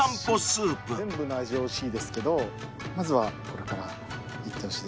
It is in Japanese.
全部の味おいしいですけどまずはこれからいってほしいですね。